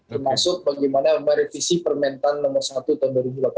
termasuk bagaimana merevisi permentan nomor satu tahun dua ribu delapan belas